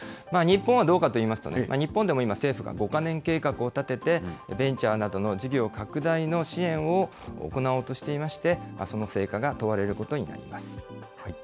日本はどうかといいますと、日本でも今、政府が５か年計画を立てて、ベンチャーなどの事業拡大の支援を行おうとしていまして、その成果が問われることになります。